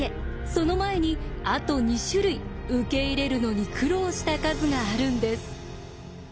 その前にあと２種類受け入れるのに苦労した数があるんです。